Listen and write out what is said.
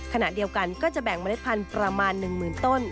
ขณะเดียวกันก็จะแบ่งเมล็ดพันธุ์ประมาณ๑๐๐๐ต้น